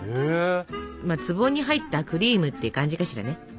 「壺に入ったクリーム」って感じかしらね。